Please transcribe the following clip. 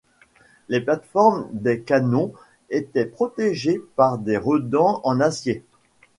Les plates-forme des canons étaient protégées par des redans en acier.